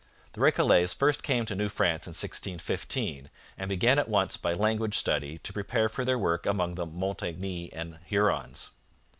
The Recollets first came to New France in 1615, and began at once by language study to prepare for their work among the Montagnais and Hurons.